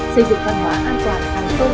xây dựng văn hóa an toàn hàng không